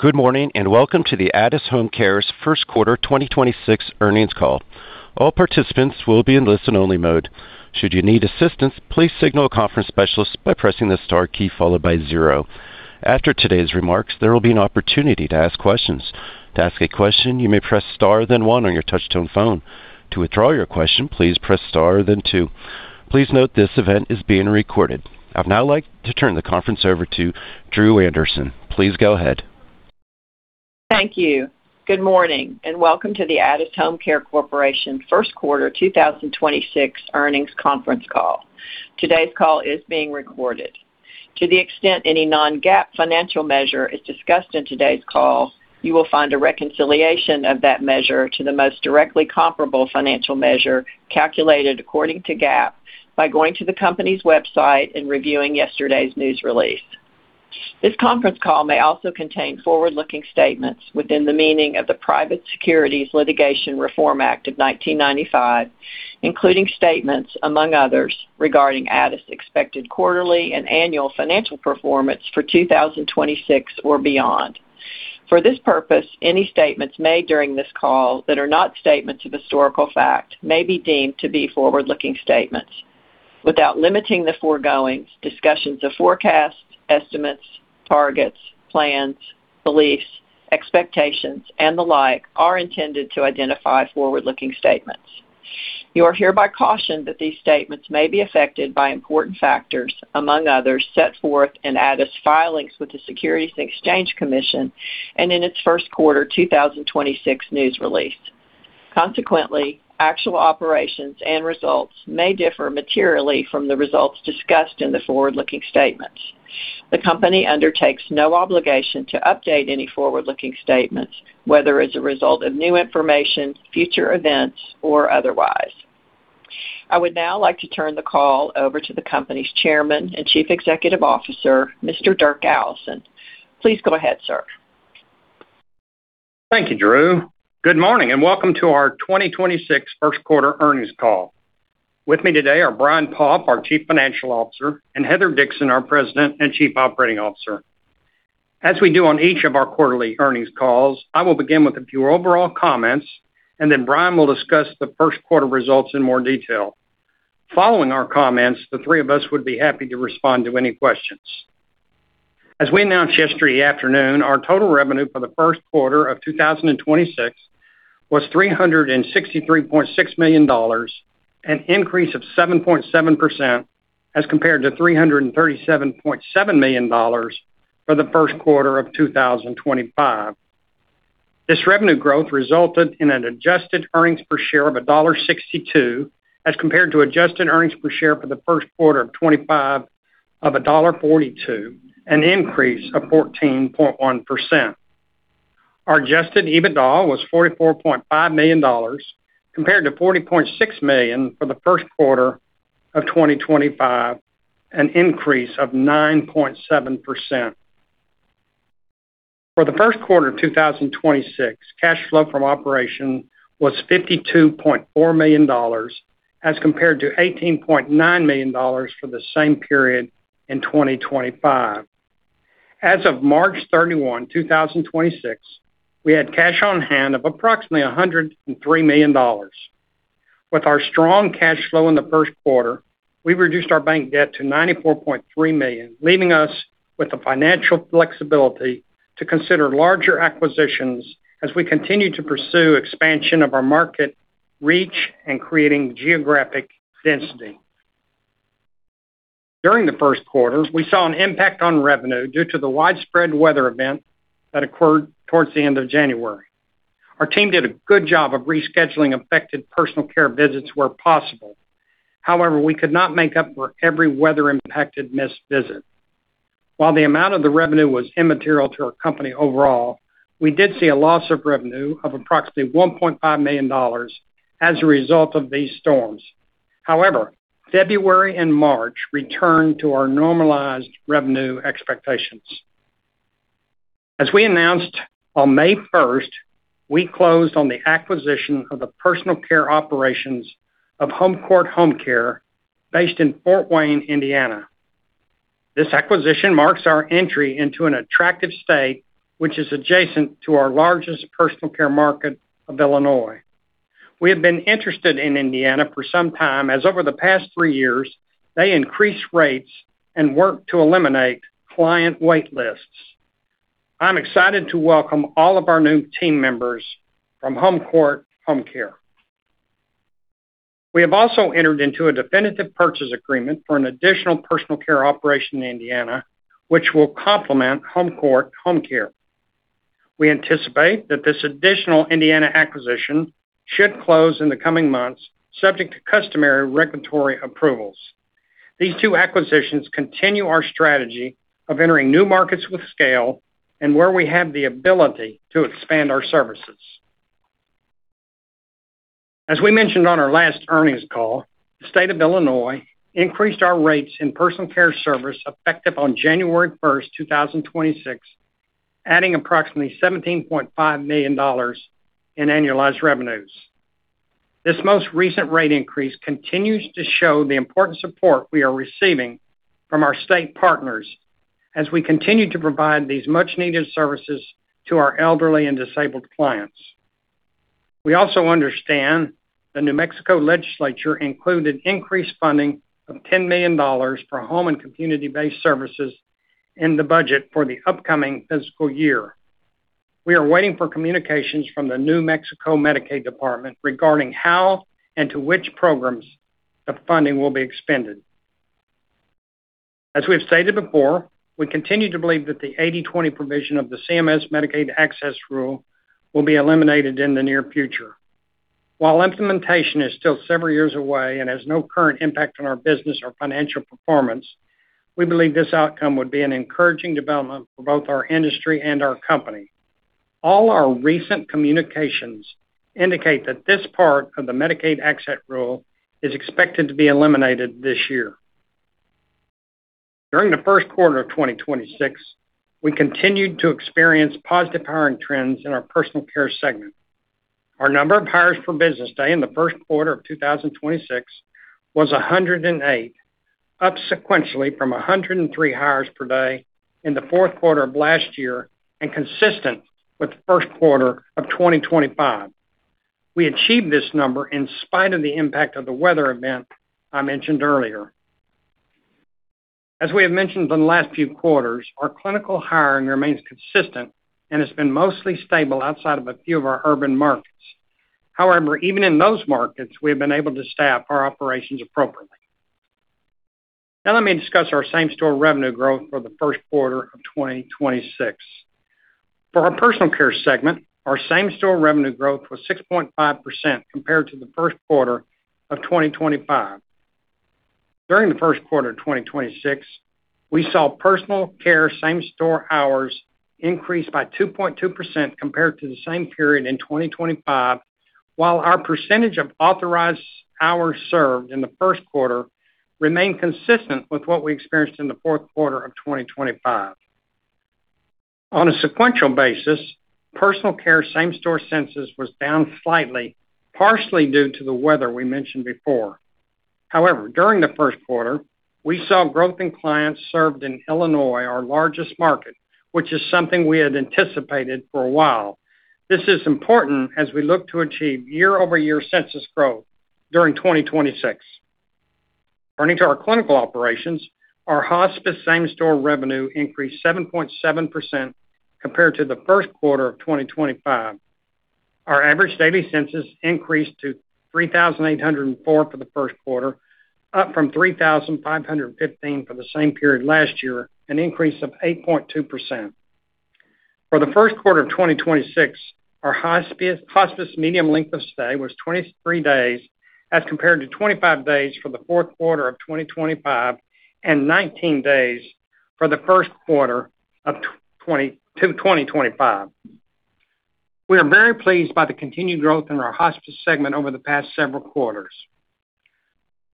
Good morning, and welcome to the Addus HomeCare's first quarter 2026 earnings call. All participants will be in listen-only mode. Should you need assistance, please signal a conference specialist by pressing the star key followed by zero. After today's remarks, there will be an opportunity to ask questions. To ask a question, you may press star then one on your touch-tone phone. To withdraw your question, please press star then two. Please note this event is being recorded. I'd now like to turn the conference over to Dru Anderson. Please go ahead. Thank you. Good morning, and welcome to the Addus HomeCare Corporation first quarter 2026 earnings conference call. Today's call is being recorded. To the extent any non-GAAP financial measure is discussed in today's call, you will find a reconciliation of that measure to the most directly comparable financial measure calculated according to GAAP by going to the company's website and reviewing yesterday's news release. This conference call may also contain forward-looking statements within the meaning of the Private Securities Litigation Reform Act of 1995, including statements, among others, regarding Addus' expected quarterly and annual financial performance for 2026 or beyond. For this purpose, any statements made during this call that are not statements of historical fact may be deemed to be forward-looking statements. Without limiting the foregoing, discussions of forecasts, estimates, targets, plans, beliefs, expectations, and the like are intended to identify forward-looking statements. You are hereby cautioned that these statements may be affected by important factors, among others, set forth in Addus' filings with the Securities and Exchange Commission and in its first quarter 2026 news release. Consequently, actual operations and results may differ materially from the results discussed in the forward-looking statements. The company undertakes no obligation to update any forward-looking statements, whether as a result of new information, future events, or otherwise. I would now like to turn the call over to the company's Chairman and Chief Executive Officer, Mr. Dirk Allison. Please go ahead, sir. Thank you, Dru. Good morning, welcome to our 2026 first quarter earnings call. With me today are Brian Poff, our Chief Financial Officer, Heather Dixon, our President and Chief Operating Officer. As we do on each of our quarterly earnings calls, I will begin with a few overall comments, Brian will discuss the first quarter results in more detail. Following our comments, the three of us would be happy to respond to any questions. As we announced yesterday afternoon, our total revenue for the first quarter of 2026 was $363.6 million, an increase of 7.7% as compared to $337.7 million for the first quarter of 2025. This revenue growth resulted in an adjusted earnings per share of $1.62 as compared to adjusted earnings per share for the first quarter of 2025 of $1.42, an increase of 14.1%. Our adjusted EBITDA was $44.5 million compared to $40.6 million for the first quarter of 2025, an increase of 9.7%. For the first quarter of 2026, cash flow from operation was $52.4 million as compared to $18.9 million for the same period in 2025. As of March 31, 2026, we had cash on hand of approximately $103 million. With our strong cash flow in the first quarter, we reduced our bank debt to $94.3 million, leaving us with the financial flexibility to consider larger acquisitions as we continue to pursue expansion of our market reach and creating geographic density. During the first quarter, we saw an impact on revenue due to the widespread weather event that occurred towards the end of January. Our team did a good job of rescheduling affected personal care visits where possible. We could not make up for every weather-impacted missed visit. While the amount of the revenue was immaterial to our company overall, we did see a loss of revenue of approximately $1.5 million as a result of these storms. February and March returned to our normalized revenue expectations. As we announced on May 1, we closed on the acquisition of the personal care operations of HomeCourt Home Care based in Fort Wayne, Indiana. This acquisition marks our entry into an attractive state which is adjacent to our largest personal care market of Illinois. We have been interested in Indiana for some time, as over the past three years, they increased rates and worked to eliminate client wait lists. I'm excited to welcome all of our new team members from HomeCourt Home Care. We have also entered into a definitive purchase agreement for an additional personal care operation in Indiana, which will complement HomeCourt Home Care. We anticipate that this additional Indiana acquisition should close in the coming months, subject to customary regulatory approvals. These two acquisitions continue our strategy of entering new markets with scale and where we have the ability to expand our services. As we mentioned on our last earnings call, the State of Illinois increased our rates in personal care service effective on January 1, 2026, adding approximately $17.5 million in annualized revenues. This most recent rate increase continues to show the important support we are receiving from our state partners as we continue to provide these much-needed services to our elderly and disabled clients. We also understand the New Mexico Legislature included increased funding of $10 million for home and community-based services in the budget for the upcoming fiscal year. We are waiting for communications from the New Mexico Medical Department regarding how and to which programs the funding will be expended. As we have stated before, we continue to believe that the 80/20 provision of the CMS Medicaid Access Rule will be eliminated in the near future. While implementation is still several years away and has no current impact on our business or financial performance, we believe this outcome would be an encouraging development for both our industry and our company. All our recent communications indicate that this part of the Medicaid Access Rule is expected to be eliminated this year. During the first quarter of 2026, we continued to experience positive hiring trends in our personal care segment. Our number of hires per business day in the first quarter of 2026 was 108, up sequentially from 103 hires per day in the fourth quarter of last year and consistent with the first quarter of 2025. We achieved this number in spite of the impact of the weather event I mentioned earlier. As we have mentioned in the last few quarters, our clinical hiring remains consistent and has been mostly stable outside of a few of our urban markets. However, even in those markets, we have been able to staff our operations appropriately. Now let me discuss our same-store revenue growth for the first quarter of 2026. For our personal care segment, our same-store revenue growth was 6.5% compared to the first quarter of 2025. During the first quarter of 2026, we saw personal care same-store hours increase by 2.2% compared to the same period in 2025, while our percentage of authorized hours served in the first quarter remained consistent with what we experienced in the fourth quarter of 2025. On a sequential basis, personal care same-store census was down slightly, partially due to the weather we mentioned before. However, during the first quarter, we saw growth in clients served in Illinois, our largest market, which is something we had anticipated for a while. This is important as we look to achieve year-over-year census growth during 2026. Turning to our clinical operations, our hospice same-store revenue increased 7.7% compared to the first quarter of 2025. Our average daily census increased to 3,804 for the first quarter, up from 3,515 for the same period last year, an increase of 8.2%. For the first quarter of 2026, our hospice medium length of stay was 23 days as compared to 25 days for the fourth quarter of 2025 and 19 days for the first quarter of 2025. We are very pleased by the continued growth in our hospice segment over the past several quarters.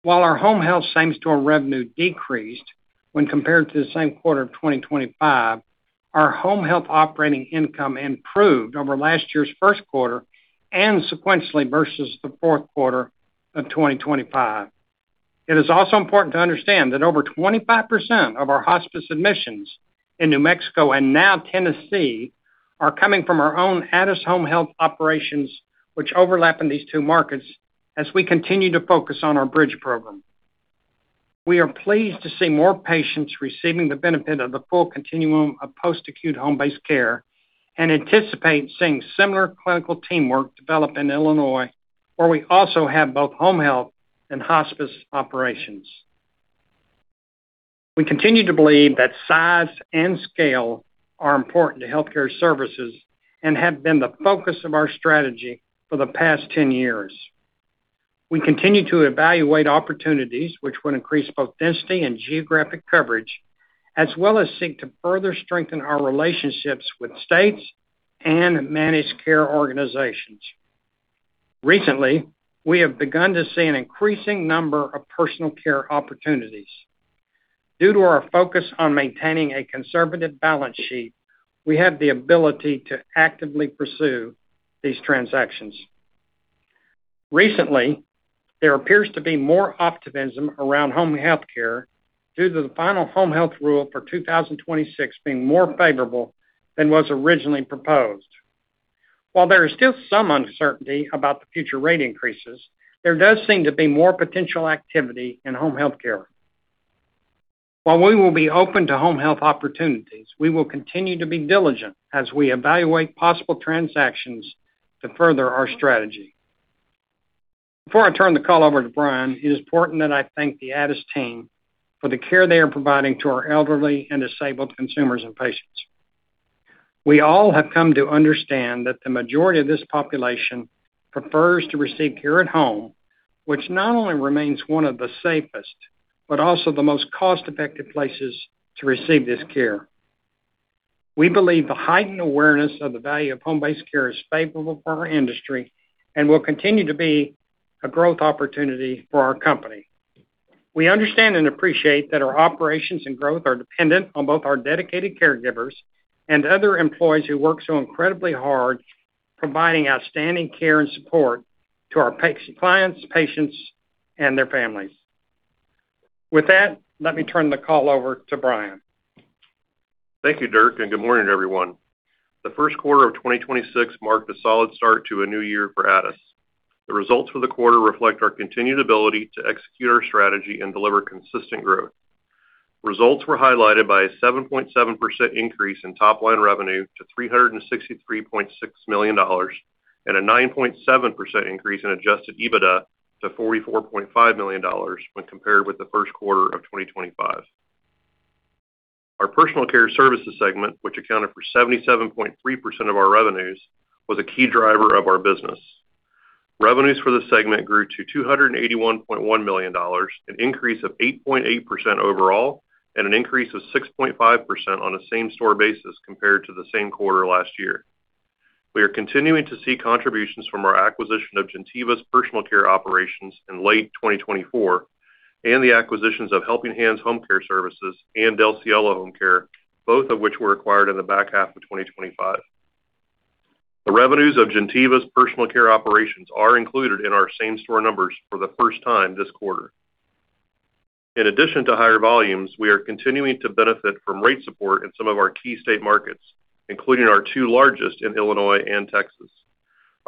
While our home health same-store revenue decreased when compared to the same quarter of 2025, our home health operating income improved over last year's first quarter and sequentially versus the fourth quarter of 2025. It is also important to understand that over 25% of our hospice admissions in New Mexico and now Tennessee are coming from our own Addus Home Health operations, which overlap in these two markets as we continue to focus on our Bridge Program. We are pleased to see more patients receiving the benefit of the full continuum of post-acute home-based care and anticipate seeing similar clinical teamwork develop in Illinois, where we also have both home health and hospice operations. We continue to believe that size and scale are important to healthcare services and have been the focus of our strategy for the past 10 years. We continue to evaluate opportunities which would increase both density and geographic coverage, as well as seek to further strengthen our relationships with states and managed care organizations. Recently, we have begun to see an increasing number of personal care opportunities. Due to our focus on maintaining a conservative balance sheet, we have the ability to actively pursue these transactions. Recently, there appears to be more optimism around home health care due to the final Home Health Rule for 2026 being more favorable than was originally proposed. While there is still some uncertainty about the future rate increases, there does seem to be more potential activity in home health care. While we will be open to home health opportunities, we will continue to be diligent as we evaluate possible transactions to further our strategy. Before I turn the call over to Brian, it is important that I thank the Addus team for the care they are providing to our elderly and disabled consumers and patients. We all have come to understand that the majority of this population prefers to receive care at home, which not only remains one of the safest, but also the most cost-effective places to receive this care. We believe the heightened awareness of the value of home-based care is favorable for our industry and will continue to be a growth opportunity for our company. We understand and appreciate that our operations and growth are dependent on both our dedicated caregivers and other employees who work so incredibly hard providing outstanding care and support to our clients, patients, and their families. With that, let me turn the call over to Brian. Thank you, Dirk, and good morning, everyone. The first quarter of 2026 marked a solid start to a new year for Addus. The results for the quarter reflect our continued ability to execute our strategy and deliver consistent growth. Results were highlighted by a 7.7% increase in top line revenue to $363.6 million and a 9.7% increase in adjusted EBITDA to $44.5 million when compared with the first quarter of 2025. Our personal care services segment, which accounted for 77.3% of our revenues, was a key driver of our business. Revenues for the segment grew to $281.1 million, an increase of 8.8% overall and an increase of 6.5% on a same-store basis compared to the same quarter last year. We are continuing to see contributions from our acquisition of Gentiva's personal care operations in late 2024 and the acquisitions of Helping Hands Home Care Services and Del Cielo Home Care, both of which were acquired in the back half of 2025. The revenues of Gentiva's personal care operations are included in our same-store numbers for the first time this quarter. In addition to higher volumes, we are continuing to benefit from rate support in some of our key state markets, including our two largest in Illinois and Texas.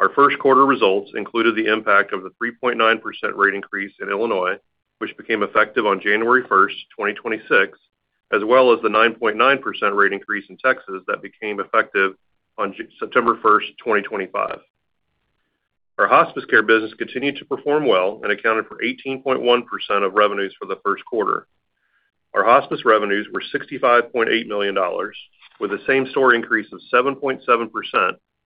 Our first quarter results included the impact of the 3.9% rate increase in Illinois, which became effective on January 1, 2026, as well as the 9.9% rate increase in Texas that became effective on September 1, 2025. Our hospice care business continued to perform well and accounted for 18.1% of revenues for the first quarter. Our hospice revenues were $65.8 million, with a same-store increase of 7.7%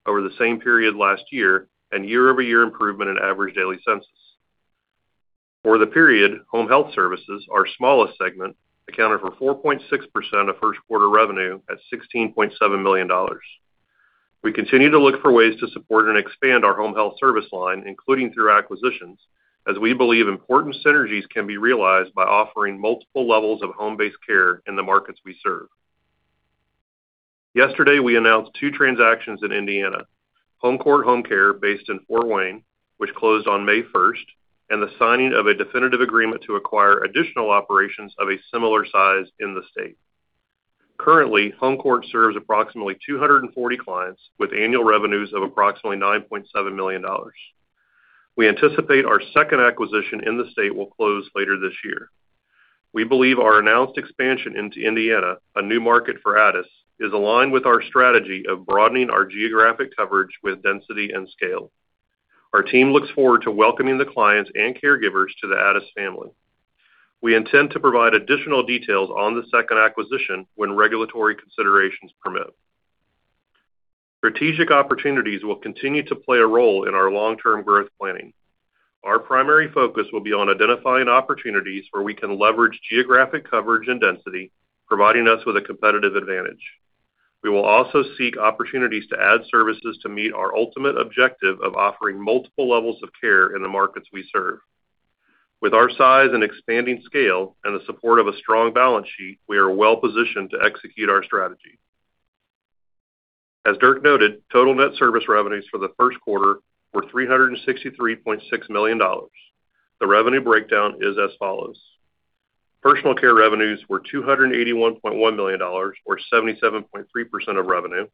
over the same period last year and year-over-year improvement in average daily census. For the period, home health services, our smallest segment, accounted for 4.6% of first quarter revenue at $16.7 million. We continue to look for ways to support and expand our home health service line, including through acquisitions, as we believe important synergies can be realized by offering multiple levels of home-based care in the markets we serve. Yesterday, we announced two transactions in Indiana, HomeCourt Home Care based in Fort Wayne, which closed on May first, and the signing of a definitive agreement to acquire additional operations of a similar size in the state. Currently, HomeCourt serves approximately 240 clients with annual revenues of approximately $9.7 million. We anticipate our second acquisition in the state will close later this year. We believe our announced expansion into Indiana, a new market for Addus, is aligned with our strategy of broadening our geographic coverage with density and scale. Our team looks forward to welcoming the clients and caregivers to the Addus family. We intend to provide additional details on the second acquisition when regulatory considerations permit. Strategic opportunities will continue to play a role in our long-term growth planning. Our primary focus will be on identifying opportunities where we can leverage geographic coverage and density, providing us with a competitive advantage. We will also seek opportunities to add services to meet our ultimate objective of offering multiple levels of care in the markets we serve. With our size and expanding scale and the support of a strong balance sheet, we are well-positioned to execute our strategy. As Dirk noted, total net service revenues for the first quarter were $363.6 million. The revenue breakdown is as follows. Personal care revenues were $281.1 million, or 77.3% of revenue.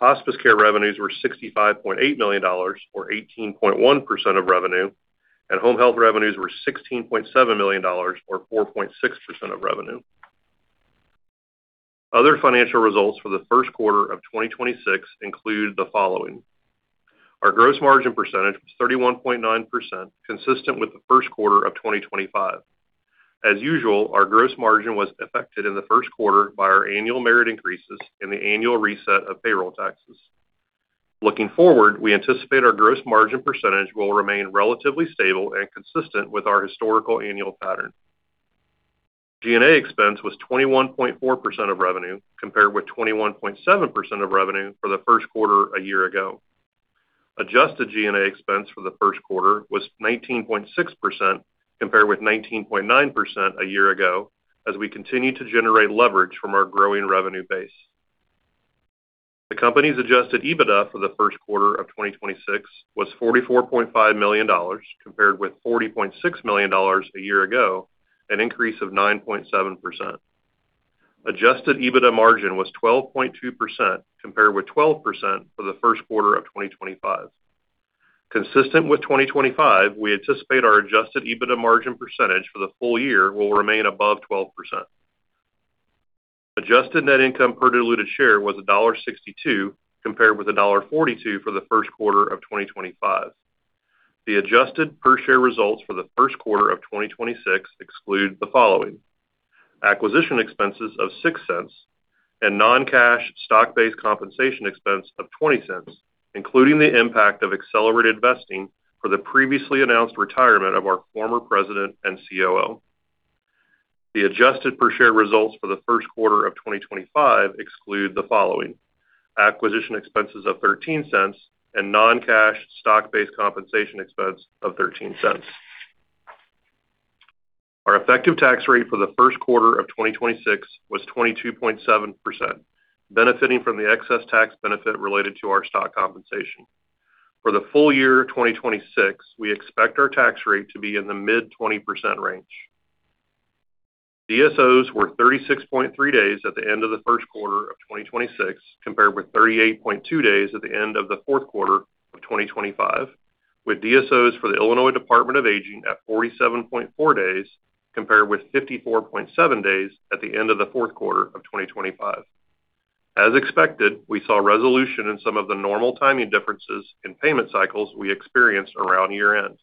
Hospice care revenues were $65.8 million, or 18.1% of revenue. Home health revenues were $16.7 million, or 4.6% of revenue. Other financial results for the first quarter of 2026 include the following. Our gross margin percentage was 31.9%, consistent with the first quarter of 2025. As usual, our gross margin was affected in the first quarter by our annual merit increases and the annual reset of payroll taxes. Looking forward, we anticipate our gross margin percentage will remain relatively stable and consistent with our historical annual pattern. G&A expense was 21.4% of revenue, compared with 21.7% of revenue for the first quarter a year ago. Adjusted G&A expense for the first quarter was 19.6%, compared with 19.9% a year ago, as we continue to generate leverage from our growing revenue base. The company's adjusted EBITDA for the first quarter of 2026 was $44.5 million, compared with $40.6 million a year ago, an increase of 9.7%. Adjusted EBITDA margin was 12.2%, compared with 12% for the first quarter of 2025. Consistent with 2025, we anticipate our adjusted EBITDA margin percentage for the full year will remain above 12%. Adjusted net income per diluted share was $1.62, compared with $1.42 for the first quarter of 2025. The adjusted per share results for the first quarter of 2026 exclude the following: Acquisition expenses of $0.06 and non-cash stock-based compensation expense of $0.20, including the impact of accelerated vesting for the previously announced retirement of our former president and COO. The adjusted per share results for the first quarter of 2025 exclude the following: acquisition expenses of $0.13 and non-cash stock-based compensation expense of $0.13. Our effective tax rate for the first quarter of 2026 was 22.7%, benefiting from the excess tax benefit related to our stock compensation. For the full year 2026, we expect our tax rate to be in the mid 20% range. DSOs were 36.3 days at the end of the first quarter of 2026, compared with 38.2 days at the end of the fourth quarter of 2025, with DSOs for the Illinois Department on Aging at 47.4 days, compared with 54.7 days at the end of the fourth quarter of 2025. As expected, we saw resolution in some of the normal timing differences in payment cycles we experienced around year-end.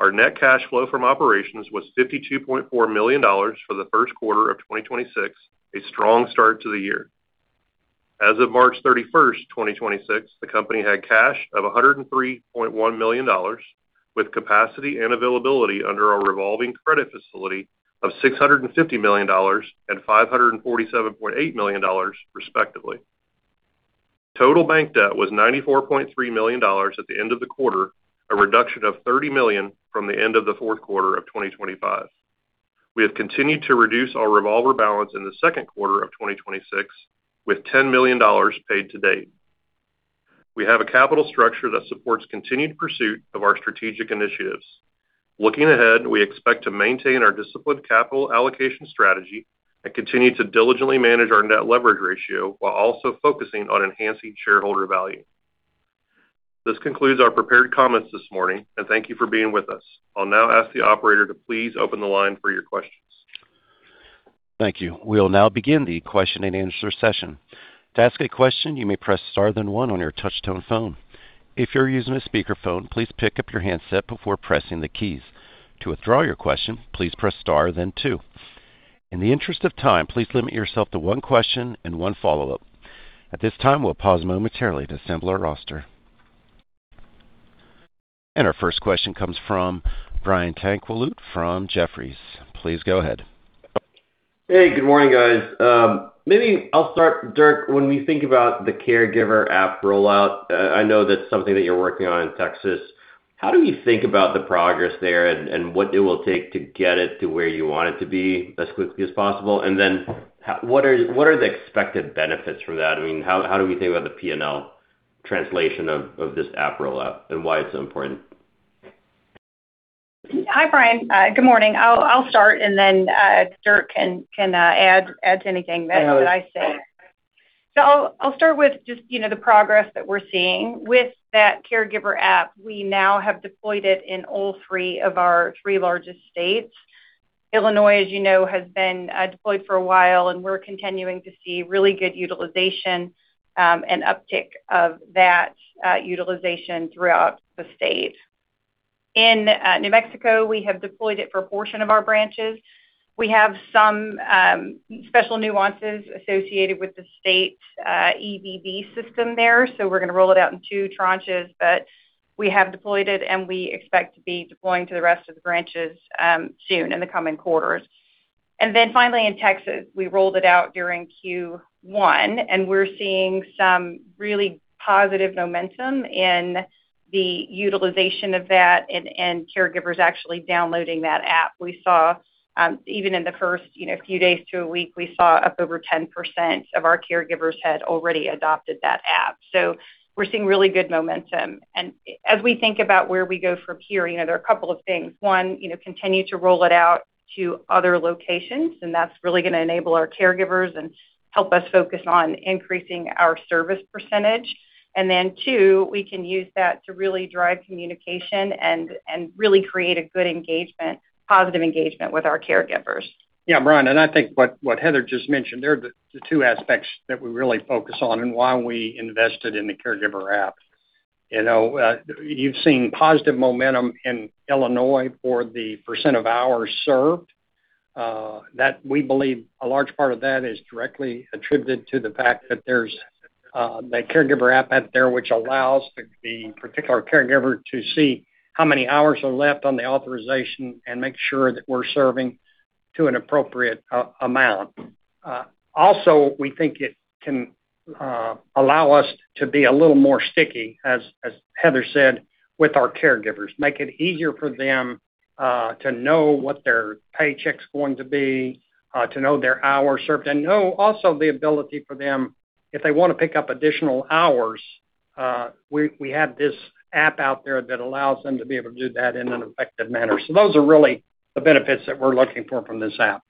Our net cash flow from operations was $52.4 million for the first quarter of 2026, a strong start to the year. As of March 31st, 2026, the company had cash of $103.1 million, with capacity and availability under our revolving credit facility of $650 million and $547.8 million, respectively. Total bank debt was $94.3 million at the end of the quarter, a reduction of $30 million from the end of the fourth quarter of 2025. We have continued to reduce our revolver balance in the second quarter of 2026, with $10 million paid to date. We have a capital structure that supports continued pursuit of our strategic initiatives. Looking ahead, we expect to maintain our disciplined capital allocation strategy and continue to diligently manage our net leverage ratio while also focusing on enhancing shareholder value. This concludes our prepared comments this morning, and thank you for being with us. I'll now ask the operator to please open the line for your questions. Thank you. We'll now begin the question-and-answer session. To ask a question, you may press star then one on your touch-tone phone. If you're using a speakerphone, please pick up your handset before pressing the keys. To withdraw your question, please press star then two. In the interest of time, please limit yourself to one question and one follow-up. At this time, we'll pause momentarily to assemble our roster. Our first question comes from Brian Tanquilut from Jefferies. Please go ahead. Hey, good morning, guys. Maybe I'll start, Dirk, when we think about the caregivers app rollout, I know that's something that you're working on in Texas. How do you think about the progress there and what it will take to get it to where you want it to be as quickly as possible? Then what are the expected benefits from that? I mean, how do we think about the P&L translation of this app rollout and why it's so important? Hi, Brian. Good morning. I'll start, then Dirk can add to anything that I say. I'll start with just, you know, the progress that we're seeing. With that caregivers app, we now have deployed it in all three of our three largest states. Illinois, as you know, has been deployed for a while, and we're continuing to see really good utilization and uptick of that utilization throughout the state. In New Mexico, we have deployed it for a portion of our branches. We have some special nuances associated with the state's EVV system there, we're gonna roll it out in two tranches. We have deployed it, and we expect to be deploying to the rest of the branches soon in the coming quarters. Finally, in Texas, we rolled it out during Q1, and we're seeing some really positive momentum in the utilization of that and caregivers actually downloading that app. We saw, even in the first, you know, few days to a week, we saw up over 10% of our caregivers had already adopted that app. We're seeing really good momentum. As we think about where we go from here, you know, there are a couple of things. One, you know, continue to roll it out to other locations, and that's really gonna enable our caregivers and help us focus on increasing our service percentage. Two, we can use that to really drive communication and really create a good engagement, positive engagement with our caregivers. Yeah, Brian, I think what Heather just mentioned, they're the two aspects that we really focus on and why we invested in the caregivers app. You know, you've seen positive momentum in Illinois for the % of hours served, that we believe a large part of that is directly attributed to the fact that there's that caregivers app out there which allows the particular caregiver to see how many hours are left on the authorization and make sure that we're serving to an appropriate amount. Also, we think it can allow us to be a little more sticky, as Heather said, with our caregivers, make it easier for them to know what their paycheck's going to be, to know their hours served, and know also the ability for them if they wanna pick up additional hours, we have this app out there that allows them to be able to do that in an effective manner. Those are really the benefits that we're looking for from this app.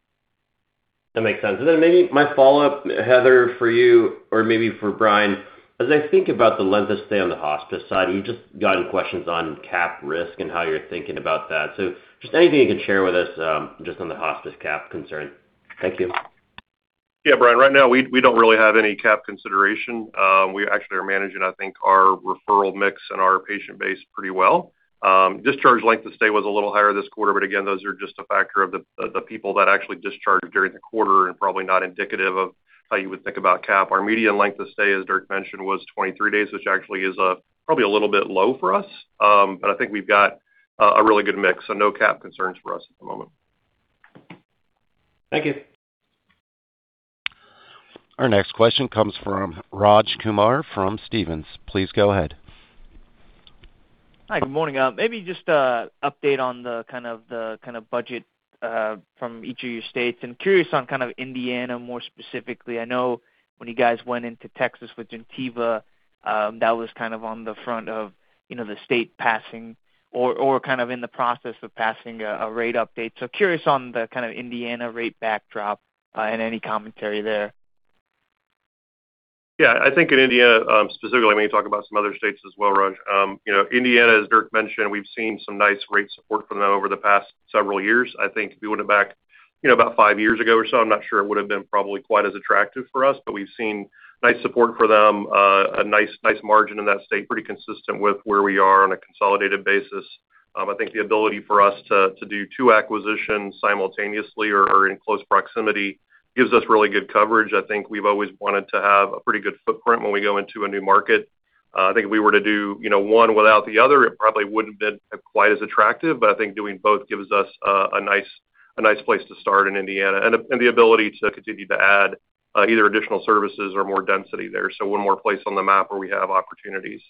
That makes sense. Maybe my follow-up, Heather, for you or maybe for Brian, as I think about the length of stay on the hospice side, you've just gotten questions on cap risk and how you're thinking about that. Just anything you can share with us, just on the hospice cap concern. Thank you. Yeah, Brian. Right now, we don't really have any cap consideration. We actually are managing, I think, our referral mix and our patient base pretty well. Discharge length of stay was a little higher this quarter, again, those are just a factor of the people that actually discharged during the quarter and probably not indicative of how you would think about cap. Our median length of stay, as Dirk mentioned, was 23 days, which actually is probably a little bit low for us. I think we've got a really good mix, no cap concerns for us at the moment. Thank you. Our next question comes from Raj Kumar from Stephens. Please go ahead. Hi, good morning. Maybe just a update on the kind of the budget from each of your states. I'm curious on kind of Indiana more specifically. I know when you guys went into Texas with Gentiva, that was kind of on the front of, you know, the state passing or kind of in the process of passing a rate update. Curious on the kind of Indiana rate backdrop and any commentary there. Yeah. I think in Indiana, specifically, I may talk about some other states as well, Raj. You know, Indiana, as Dirk mentioned, we've seen some nice rate support from them over the past several years. I think if you went back, you know, about five years ago or so, I'm not sure it would have been probably quite as attractive for us, but we've seen nice support for them, a nice margin in that state, pretty consistent with where we are on a consolidated basis. I think the ability for us to do two acquisitions simultaneously or in close proximity gives us really good coverage. I think we've always wanted to have a pretty good footprint when we go into a new market. I think if we were to do, you know, one without the other, it probably wouldn't have been quite as attractive. I think doing both gives us a nice, a nice place to start in Indiana and the ability to continue to add either additional services or more density there. One more place on the map where we have opportunities.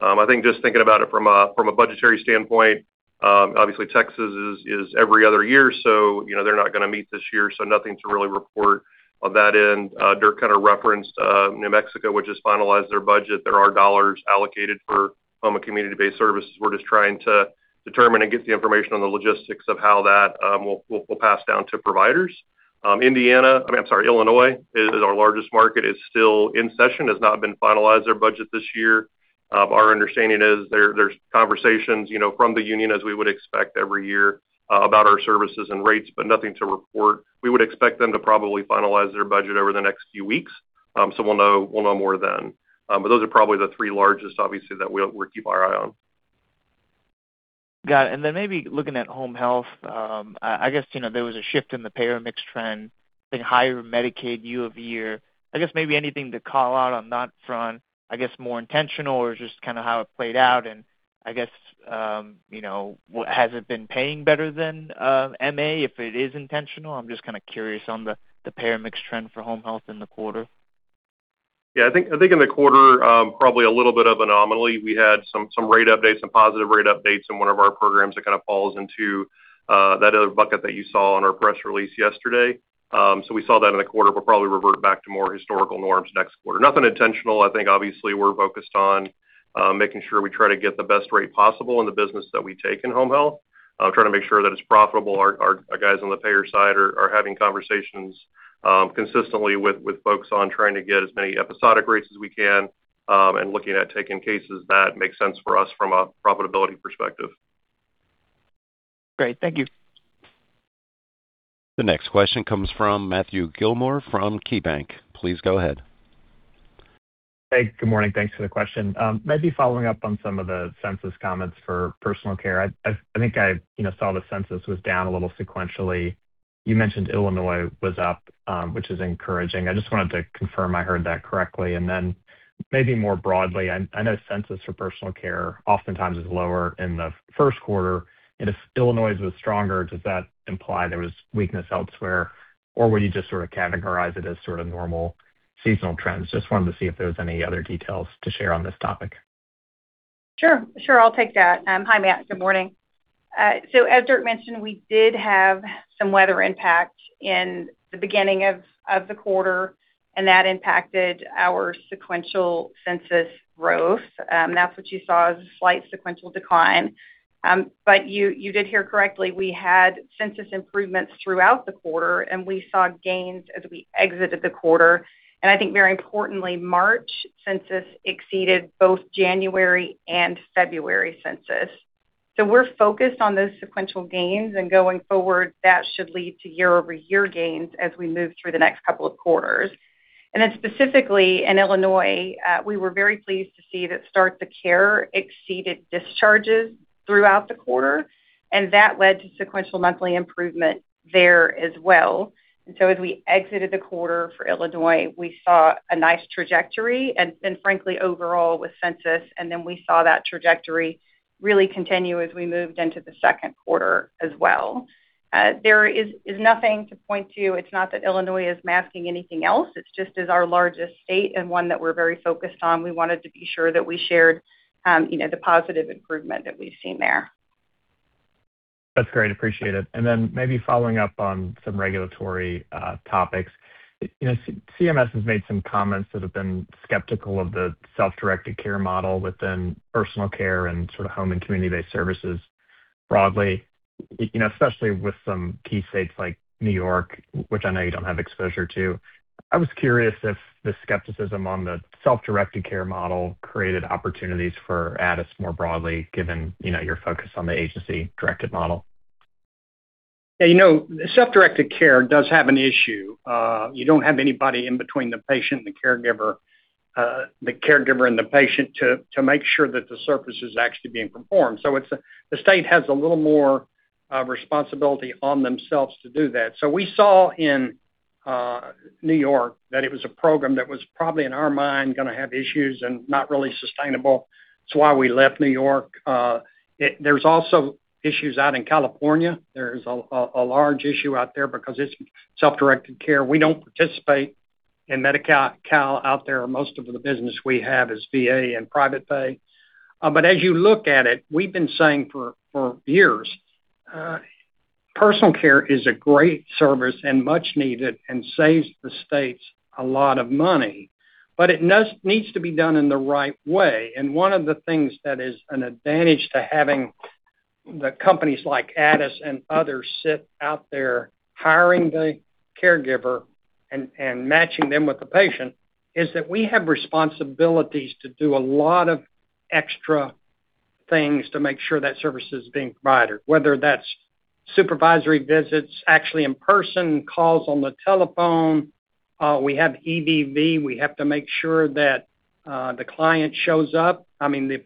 I think just thinking about it from a budgetary standpoint, obviously Texas is every other year, so, you know, they're not gonna meet this year, so nothing to really report on that end. Dirk kind of referenced New Mexico, which has finalized their budget. There are dollars allocated for home and community-based services. We're just trying to determine and get the information on the logistics of how that will pass down to providers. I mean, I'm sorry, Illinois is our largest market, is still in session, has not been finalized their budget this year. Our understanding is there's conversations, you know, from the union, as we would expect every year, about our services and rates, but nothing to report. We would expect them to probably finalize their budget over the next few weeks. So we'll know, we'll know more then. But those are probably the three largest, obviously, that we keep our eye on. Got it. Maybe looking at home health, I guess, you know, there was a shift in the payer mix trend, I think higher Medicaid year-over-year. I guess maybe anything to call out on that front, I guess more intentional or just kinda how it played out. I guess, you know, has it been paying better than MA if it is intentional? I'm just kinda curious on the payer mix trend for home health in the quarter. Yeah, I think in the quarter, probably a little bit of an anomaly. We had some rate updates, some positive rate updates in one of our programs that kind of falls into that other bucket that you saw on our press release yesterday. We saw that in the quarter, but probably revert back to more historical norms next quarter. Nothing intentional. I think obviously we're focused on making sure we try to get the best rate possible in the business that we take in home health, trying to make sure that it's profitable. Our guys on the payer side are having conversations consistently with folks on trying to get as many episodic rates as we can, and looking at taking cases that make sense for us from a profitability perspective. Great. Thank you. The next question comes from Matthew Gillmor from KeyBanc. Please go ahead. Hey, good morning. Thanks for the question. Maybe following up on some of the census comments for personal care. I think I, you know, saw the census was down a little sequentially. You mentioned Illinois was up, which is encouraging. I just wanted to confirm I heard that correctly. Maybe more broadly, I know census for personal care oftentimes is lower in the first quarter. If Illinois was stronger, does that imply there was weakness elsewhere? Or would you just sort of categorize it as sort of normal seasonal trends? Just wanted to see if there was any other details to share on this topic. Sure. Sure. I'll take that. Hi, Matt. Good morning. As Dirk mentioned, we did have some weather impact in the beginning of the quarter, and that impacted our sequential census growth. That's what you saw as a slight sequential decline. You did hear correctly. We had census improvements throughout the quarter, and we saw gains as we exited the quarter. I think very importantly, March census exceeded both January and February census. We're focused on those sequential gains, and going forward, that should lead to year-over-year gains as we move through the next couple of quarters. Then specifically in Illinois, we were very pleased to see that start the care exceeded discharges throughout the quarter, and that led to sequential monthly improvement there as well. As we exited the quarter for Illinois, we saw a nice trajectory and frankly overall with census, and then we saw that trajectory really continue as we moved into the second quarter as well. There is nothing to point to. It's not that Illinois is masking anything else. It's just as our largest state and one that we're very focused on, we wanted to be sure that we shared, you know, the positive improvement that we've seen there. That's great. Appreciate it. Then maybe following up on some regulatory topics. You know, CMS has made some comments that have been skeptical of the self-directed care model within personal care and sort of home and community-based services broadly, you know, especially with some key states like New York, which I know you don't have exposure to. I was curious if the skepticism on the self-directed care model created opportunities for Addus more broadly, given, you know, your focus on the agency-directed model. Yeah, you know, self-directed care does have an issue. You don't have anybody in between the patient and the caregiver, the caregiver and the patient to make sure that the service is actually being performed. The state has a little more responsibility on themselves to do that. We saw in New York that it was a program that was probably, in our mind, gonna have issues and not really sustainable. It's why we left New York. There's also issues out in California. There's a large issue out there because it's self-directed care. We don't participate in Medi-Cal out there, most of the business we have is VA and private pay. As you look at it, we've been saying for years, personal care is a great service and much needed and saves the states a lot of money, it needs to be done in the right way. One of the things that is an advantage to having the companies like Addus and others sit out there hiring the caregiver and matching them with the patient, is that we have responsibilities to do a lot of extra things to make sure that service is being provided. Whether that's supervisory visits, actually in-person calls on the telephone, we have EVV. We have to make sure that the client shows up. I mean, the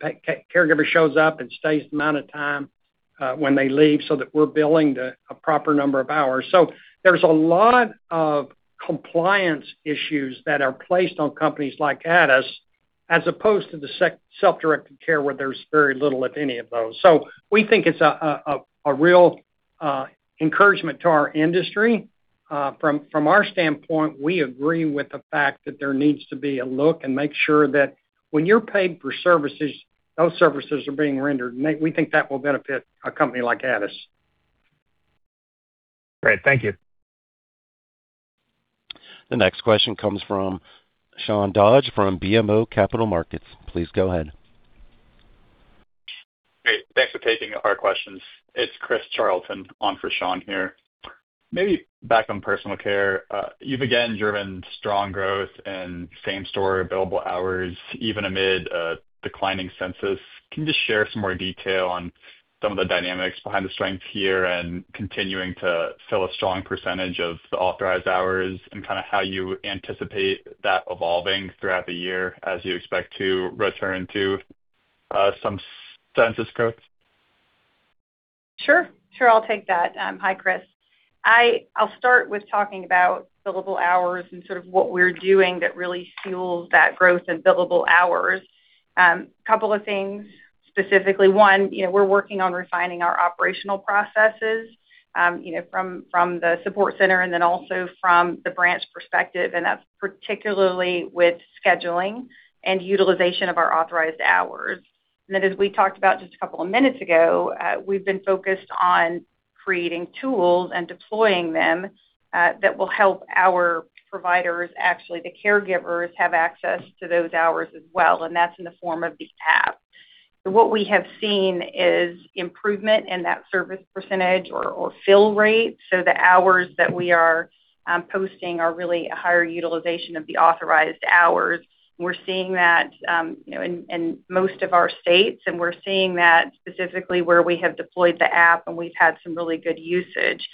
caregiver shows up and stays the amount of time when they leave so that we're billing a proper number of hours. There's a lot of compliance issues that are placed on companies like Addus, as opposed to the self-directed care where there's very little, if any of those. We think it's a real encouragement to our industry. From our standpoint, we agree with the fact that there needs to be a look and make sure that when you're paid for services, those services are being rendered. We think that will benefit a company like Addus. Great. Thank you. The next question comes from Sean Dodge from BMO Capital Markets. Please go ahead. Great. Thanks for taking our questions. It's Christopher Charlton on for Sean here. Maybe back on personal care. You've again driven strong growth and same story, billable hours, even amid a declining census. Can you just share some more detail on some of the dynamics behind the strength here and continuing to fill a strong percentage of the authorized hours and kinda how you anticipate that evolving throughout the year as you expect to return to some census growth? Sure. Sure, I'll take that. Hi, Chris. I'll start with talking about billable hours and sort of what we're doing that really fuels that growth in billable hours. Couple of things. Specifically, one, you know, we're working on refining our operational processes, you know, from the support center and then also from the branch perspective, and that's particularly with scheduling and utilization of our authorized hours. As we talked about just a couple of minutes ago, we've been focused on creating tools and deploying them that will help our providers, actually the caregivers, have access to those hours as well, and that's in the form of the app. What we have seen is improvement in that service percentage or fill rate. The hours that we are posting are really a higher utilization of the authorized hours. We're seeing that, you know, in most of our states, and we're seeing that specifically where we have deployed the app, and we've had some really good usage.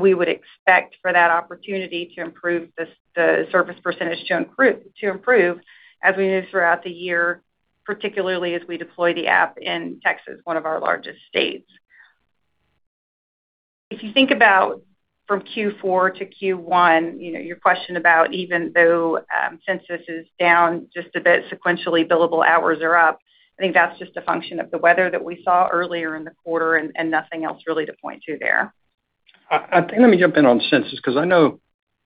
We would expect for that opportunity to improve the service percentage to improve as we move throughout the year, particularly as we deploy the app in Texas, one of our largest states. If you think about from Q4 to Q1, you know, your question about even though census is down just a bit sequentially, billable hours are up, I think that's just a function of the weather that we saw earlier in the quarter and nothing else really to point to there. I think let me jump in on census because I know,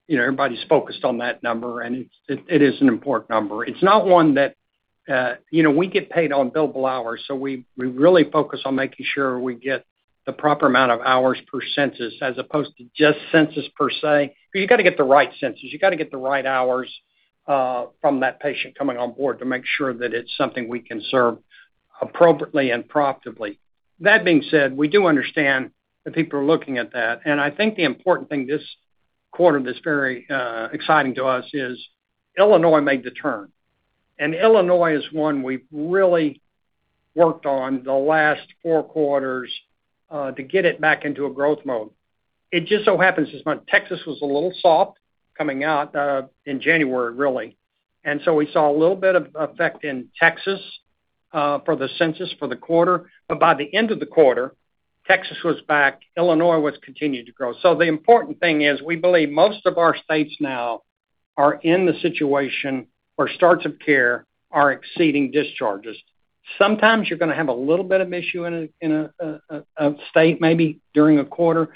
you know, everybody's focused on that number, and it is an important number. It's not one that, you know, we get paid on billable hours, so we really focus on making sure we get the proper amount of hours per census as opposed to just census per se. You gotta get the right census. You gotta get the right hours from that patient coming on board to make sure that it's something we can serve appropriately and profitably. That being said, we do understand that people are looking at that, and I think the important thing this quarter that's very exciting to us is Illinois made the turn. Illinois is one we've really worked on the last four quarters to get it back into a growth mode. It just so happens this month, Texas was a little soft coming out in January, really. We saw a little bit of effect in Texas for the census for the quarter. By the end of the quarter, Texas was back, Illinois was continued to grow. The important thing is we believe most of our states now are in the situation where starts of care are exceeding discharges. Sometimes you're gonna have a little bit of issue in a state maybe during a quarter.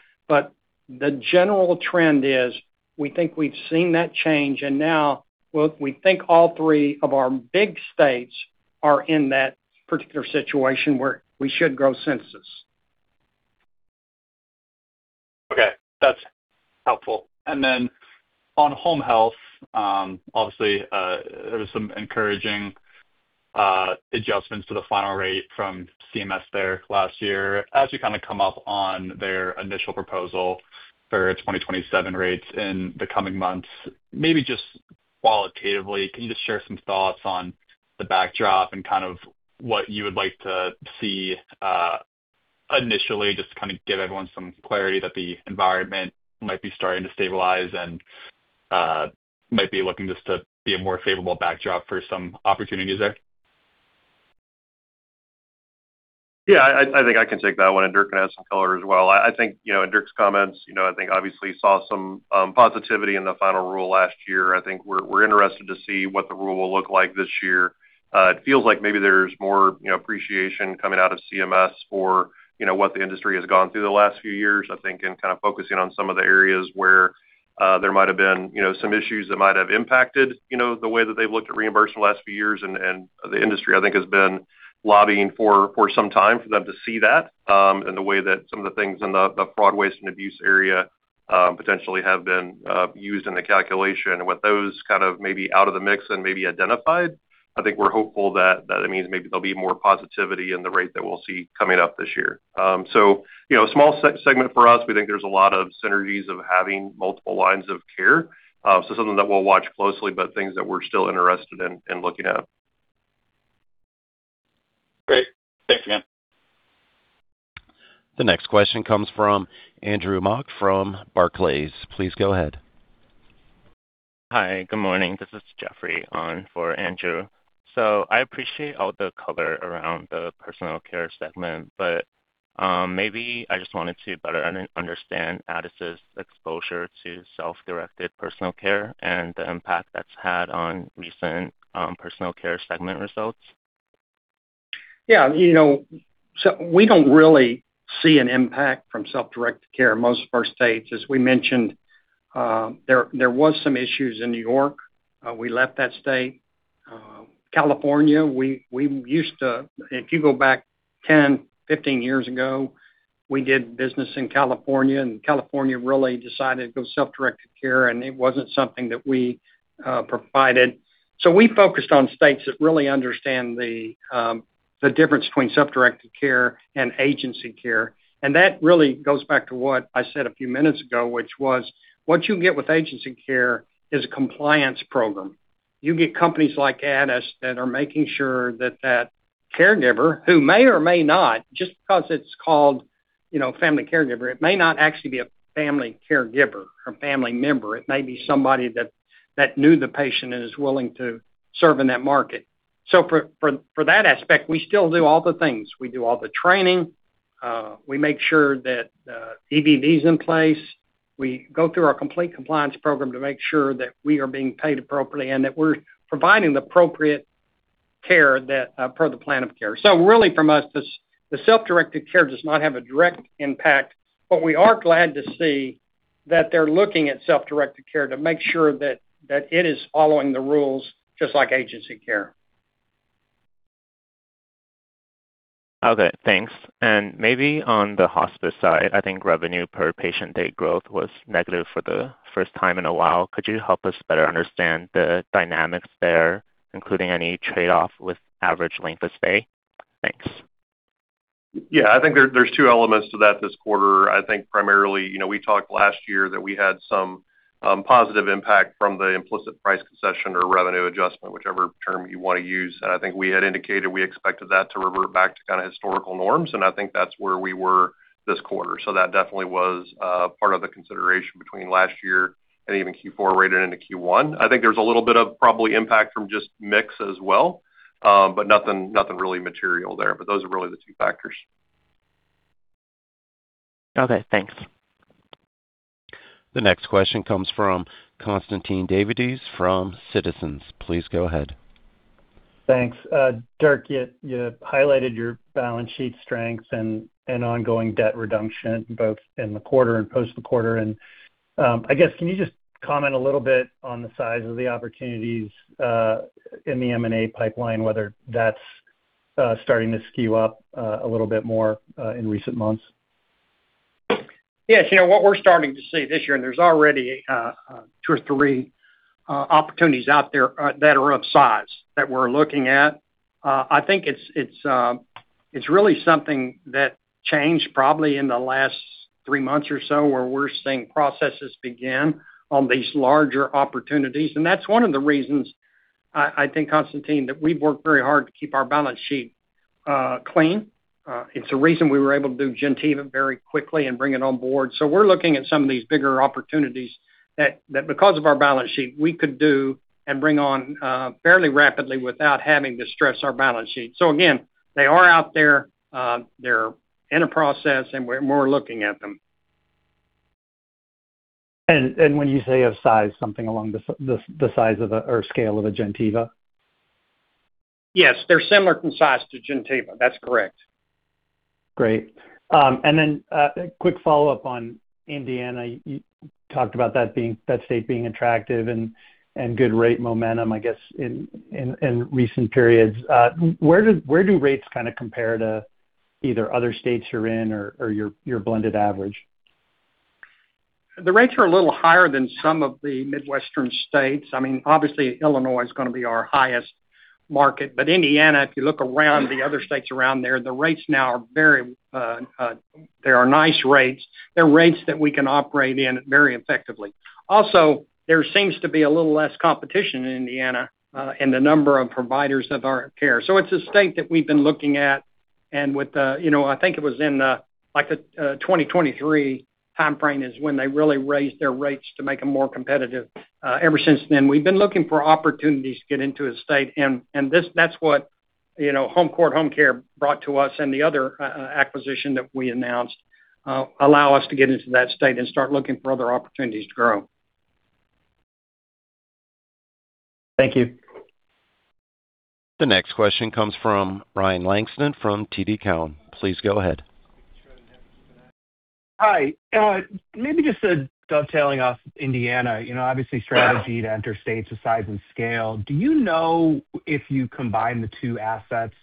The general trend is we think we've seen that change, and now we think all three of our big states are in that particular situation where we should grow census. Okay, that's helpful. Then on home health, obviously, there was some encouraging adjustments to the final rate from CMS there last year. As you kinda come up on their initial proposal for 2027 rates in the coming months, maybe just qualitatively, can you just share some thoughts on the backdrop and kind of what you would like to see initially just to kinda give everyone some clarity that the environment might be starting to stabilize and might be looking just to be a more favorable backdrop for some opportunities there? Yeah, I think I can take that one, and Dirk can add some color as well. I think, you know, in Dirk's comments, you know, I think obviously saw some positivity in the final rule last year. I think we're interested to see what the rule will look like this year. It feels like maybe there's more, you know, appreciation coming out of CMS for, you know, what the industry has gone through the last few years. I think in kind of focusing on some of the areas where there might have been, you know, some issues that might have impacted, you know, the way that they've looked at reimbursement the last few years. The industry, I think, has been lobbying for some time for them to see that, and the way that some of the things in the fraud, waste, and abuse area potentially have been used in the calculation. With those kind of maybe out of the mix and maybe identified, I think we're hopeful that it means maybe there'll be more positivity in the rate that we'll see coming up this year. You know, a small segment for us. We think there's a lot of synergies of having multiple lines of care. Something that we'll watch closely, but things that we're still interested in looking at. Great. Thanks again. The next question comes from Andrew Mok from Barclays. Please go ahead. Hi, good morning. This is Jefferson Rives on for Andrew Mok. I appreciate all the color around the personal care segment, but maybe I just wanted to better understand Addus HomeCare's exposure to self-directed personal care and the impact that's had on recent personal care segment results. Yeah. You know, we don't really see an impact from self-directed care in most of our states. As we mentioned, there was some issues in New York. We left that state. California, if you go back 10, 15 years ago, we did business in California, and California really decided to go self-directed care, and it wasn't something that we provided. We focused on states that really understand the difference between self-directed care and agency care. That really goes back to what I said a few minutes ago, which was, what you get with agency care is a compliance program. You get companies like Addus that are making sure that that caregiver, who may or may not, just because it's called, you know, family caregiver, it may not actually be a family caregiver or family member. It may be somebody that knew the patient and is willing to serve in that market. For that aspect, we still do all the things. We do all the training. We make sure that EVV is in place. We go through our complete compliance program to make sure that we are being paid appropriately and that we're providing the appropriate care that per the plan of care. Really from us, the self-directed care does not have a direct impact, but we are glad to see that they're looking at self-directed care to make sure that it is following the rules just like agency care. Okay, thanks. Maybe on the hospice side, I think revenue per patient day growth was negative for the first time in a while. Could you help us better understand the dynamics there, including any trade-off with average length of stay? Thanks. I think there's two elements to that this quarter. I think primarily, you know, we talked last year that we had some positive impact from the implicit price concession or revenue adjustment, whichever term you wanna use. I think we had indicated we expected that to revert back to kind of historical norms, and I think that's where we were this quarter. I think there's a little bit of probably impact from just mix as well, but nothing really material there. Those are really the two factors. Okay, thanks. The next question comes from Constantine Davides from Citizens. Please go ahead. Thanks. Dirk, you highlighted your balance sheet strengths and ongoing debt reduction both in the quarter and post the quarter. I guess, can you just comment a little bit on the size of the opportunities in the M&A pipeline, whether that's starting to skew up a little bit more in recent months? Yes. You know, what we're starting to see this year, there's already two or three opportunities out there that are of size that we're looking at. I think it's really something that changed probably in the last three months or so, where we're seeing processes begin on these larger opportunities. That's one of the reasons I think, Constantine, that we've worked very hard to keep our balance sheet clean. It's the reason we were able to do Gentiva very quickly and bring it on board. We're looking at some of these bigger opportunities that because of our balance sheet, we could do and bring on fairly rapidly without having to stress our balance sheet. Again, they are out there. They're in a process, and we're looking at them. When you say of size, something along the size of a or scale of a Gentiva? Yes. They're similar in size to Gentiva. That's correct. Great. A quick follow-up on Indiana. You talked about that state being attractive and good rate momentum, I guess, in recent periods. Where do rates kinda compare to either other states you're in or your blended average? The rates are a little higher than some of the Midwestern states. I mean, obviously, Illinois is gonna be our highest market. Indiana, if you look around the other states around there, the rates now are very, they are nice rates. They're rates that we can operate in very effectively. Also, there seems to be a little less competition in Indiana in the number of providers of our care. It's a state that we've been looking at. With the, you know, I think it was in 2023 timeframe is when they really raised their rates to make them more competitive. Ever since then, we've been looking for opportunities to get into a state. That's what, you know, HomeCourt HomeCare brought to us and the other acquisition that we announced, allow us to get into that state and start looking for other opportunities to grow. Thank you. The next question comes from Ryan Langston from TD Cowen. Please go ahead. Hi. Maybe just a dovetailing off Indiana, you know, obviously strategy to enter states of size and scale, do you know if you combine the two assets,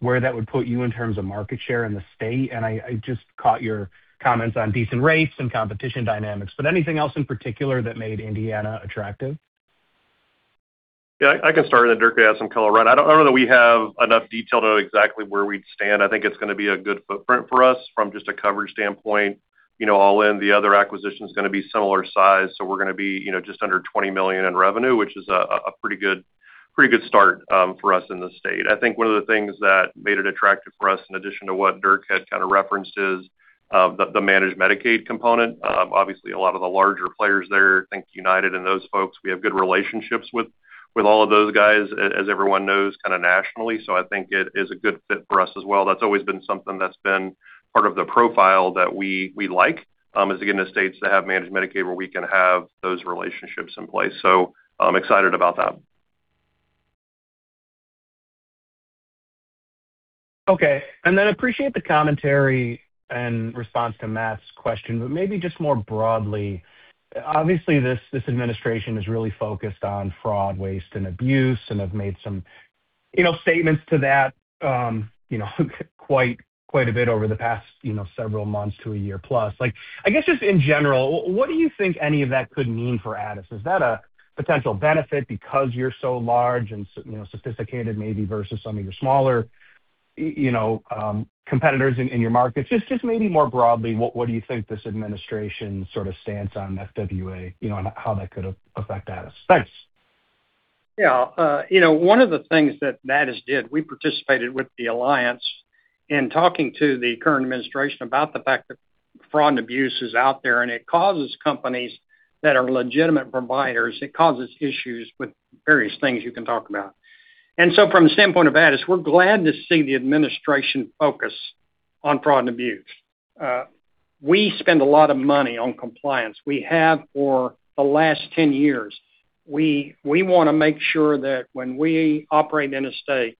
where that would put you in terms of market share in the state? I just caught your comments on decent rates and competition dynamics, anything else in particular that made Indiana attractive? I can start, Dirk can add some color. I don't know that we have enough detail to know exactly where we'd stand. I think it's gonna be a good footprint for us from just a coverage standpoint. You know, all in, the other acquisition is gonna be similar size, we're gonna be, you know, just under $20 million in revenue, which is a pretty good start for us in this state. I think one of the things that made it attractive for us, in addition to what Dirk had kinda referenced, is the managed Medicaid component. Obviously, a lot of the larger players there, think UnitedHealthcare and those folks, we have good relationships with all of those guys, as everyone knows, kinda nationally. I think it is a good fit for us as well. That's always been something that's been part of the profile that we like, is to get into states that have managed Medicaid, where we can have those relationships in place. I'm excited about that. Okay. Then appreciate the commentary and response to Matt's question, but maybe just more broadly, obviously, this administration is really focused on fraud, waste, and abuse and have made some, you know, statements to that, you know, quite a bit over the past, you know, several months to a year plus. Like, I guess, just in general, what do you think any of that could mean for Addus? Is that a potential benefit because you're so large and so, you know, sophisticated maybe versus some of your smaller, you know, competitors in your markets? Just maybe more broadly, what do you think this administration sort of stance on FWA, you know, and how that could affect Addus? Thanks. You know, one of the things that Addus did, we participated with The Alliance in talking to the current administration about the fact that fraud and abuse is out there, and it causes companies that are legitimate providers, it causes issues with various things you can talk about. From the standpoint of Addus, we're glad to see the administration focus on fraud and abuse. We spend a lot of money on compliance. We have for the last 10 years. We wanna make sure that when we operate in a state,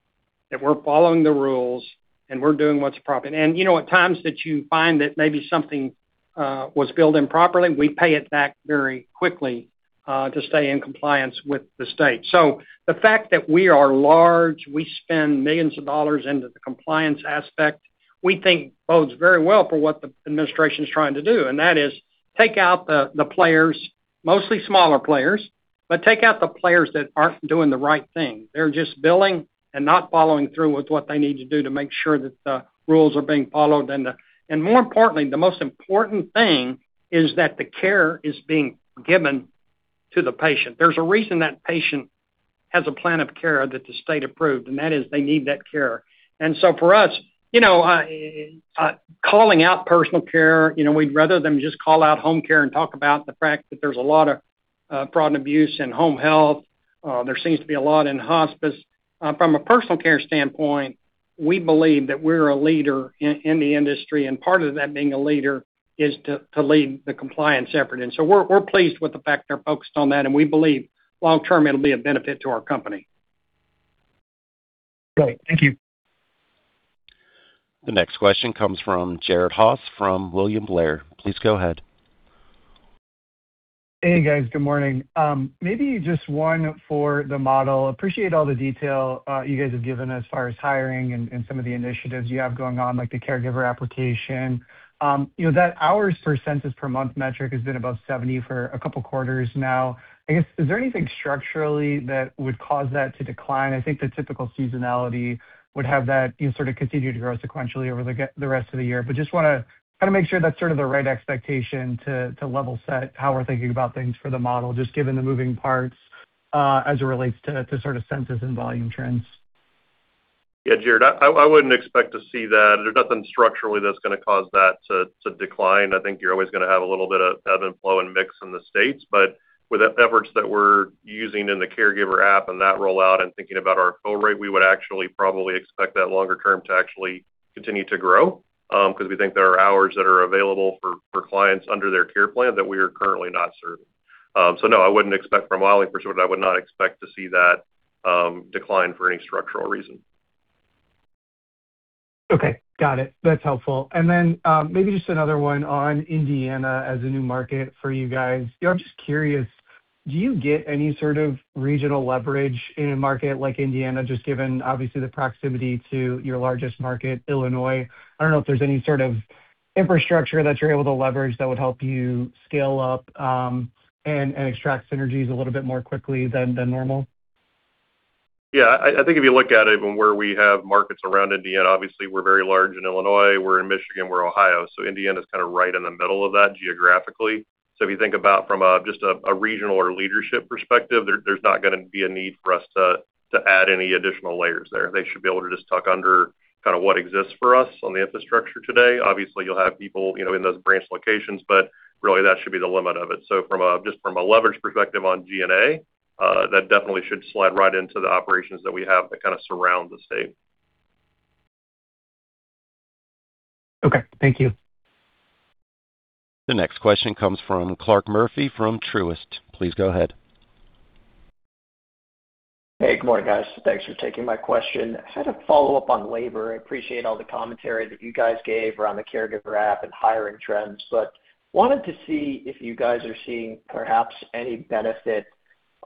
that we're following the rules, and we're doing what's proper. You know, at times that you find that maybe something was billed improperly, we pay it back very quickly to stay in compliance with the state. The fact that we are large, we spend millions of dollars into the compliance aspect, we think bodes very well for what the administration is trying to do, and that is take out the players, mostly smaller players, but take out the players that aren't doing the right thing. They're just billing and not following through with what they need to do to make sure that the rules are being followed. More importantly, the most important thing is that the care is being given to the patient. There's a reason that patient has a plan of care that the state approved, and that is they need that care. For us, you know, calling out personal care, you know, we'd rather them just call out home care and talk about the fact that there's a lot of fraud and abuse in home health. There seems to be a lot in hospice. From a personal care standpoint, we believe that we're a leader in the industry, and part of that being a leader is to lead the compliance effort. We're pleased with the fact they're focused on that, and we believe long-term, it'll be a benefit to our company. Great. Thank you. The next question comes from Jared Haase from William Blair. Please go ahead. Hey, guys. Good morning. Maybe just one for the model. Appreciate all the detail you guys have given as far as hiring and some of the initiatives you have going on, like the caregiver application. You know, that hours per census per month metric has been above 70 for a couple quarters now. I guess, is there anything structurally that would cause that to decline? I think the typical seasonality would have that, you sort of continue to grow sequentially over the rest of the year. Just wanna kinda make sure that's sort of the right expectation to level set how we're thinking about things for the model, just given the moving parts as it relates to sort of census and volume trends. Yeah, Jared, I wouldn't expect to see that. There's nothing structurally that's gonna cause that to decline. I think you're always gonna have a little bit of ebb and flow and mix in the states. With the efforts that we're using in the Addus Connect and that rollout and thinking about our co-rate, we would actually probably expect that longer term to actually continue to grow, 'cause we think there are hours that are available for clients under their care plan that we are currently not serving. No, I wouldn't expect from a modeling perspective, I would not expect to see that decline for any structural reason. Okay. Got it. That's helpful. Maybe just another one on Indiana as a new market for you guys. You know, I'm just curious, do you get any sort of regional leverage in a market like Indiana, just given obviously the proximity to your largest market, Illinois? I don't know if there's any sort of infrastructure that you're able to leverage that would help you scale up and extract synergies a little bit more quickly than normal. Yeah. I think if you look at even where we have markets around Indiana, obviously we're very large in Illinois, we're in Michigan, we're Ohio, Indiana is kind of right in the middle of that geographically. If you think about from a, just a regional or leadership perspective, there's not going to be a need for us to add any additional layers there. They should be able to just tuck under kind of what exists for us on the infrastructure today. Obviously, you'll have people, you know, in those branch locations, but really that should be the limit of it. From a, just from a leverage perspective on G&A, that definitely should slide right into the operations that we have that kind of surround the state. Okay. Thank you. The next question comes from Clarke Murphy from Truist. Please go ahead. Hey, good morning, guys. Thanks for taking my question. I had a follow-up on labor. I appreciate all the commentary that you guys gave around the Addus Connect and hiring trends. Wanted to see if you guys are seeing perhaps any benefit